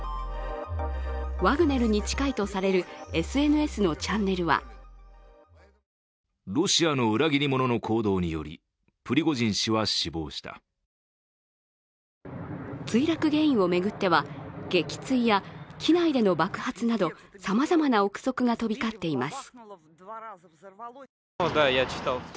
ワグネルに近いとされるＳＮＳのチャンネルは墜落原因を巡っては、撃墜や機内での爆発などさまざまな臆測が飛び交っています。